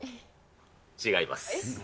違います。